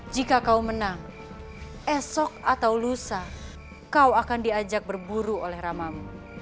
jika kau menang esok atau lusa kau akan diajak berburu oleh ramamu